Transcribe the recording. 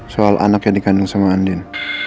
soal anak yang dikandung sama andin